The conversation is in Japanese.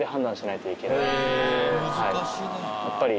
やっぱり。